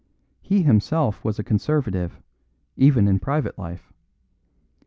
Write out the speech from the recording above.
He himself was a Conservative, even in private life.